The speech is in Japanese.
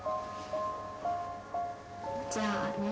じゃあね。